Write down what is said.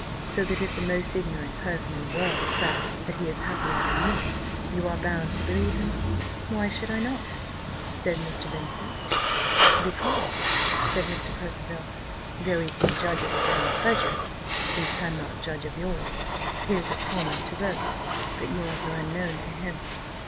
So that if the most ignorant person in the world assert that he is happier than you are, you are bound to believe him." "Why should not I?" said Mr. Vincent. "Because," said Mr. Percival, "though he can judge of his own pleasures, he cannot judge of yours; his are common to both, but yours are unknown to him.